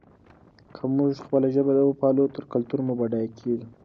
که موږ خپله ژبه وپالو نو کلتور مو بډایه کېږي.